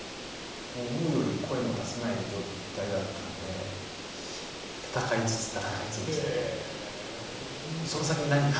思うように声も出せない状態だったので闘いつつ闘いつつでしたね。